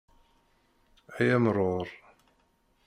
Ay amrur!